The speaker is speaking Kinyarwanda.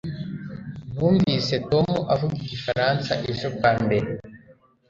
numvise tom avuga igifaransa ejo bwa mbere